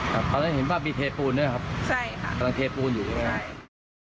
ตอนนั้นเห็นว่ามีเทปูนด้วยครับใช่ค่ะกำลังเทปูนอยู่ใช่ไหมครับ